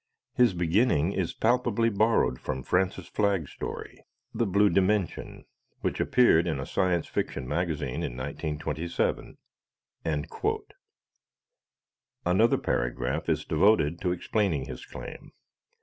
His beginning is palpably borrowed from Francis Flagg's story, "The Blue Dimension," which appeared in a Science Fiction magazine in 1927." Another paragraph is devoted to explaining his claim.